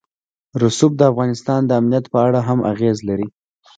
رسوب د افغانستان د امنیت په اړه هم اغېز لري.